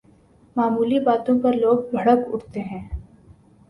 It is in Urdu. معمولی باتوں پر لوگ بھڑک اٹھتے ہیں۔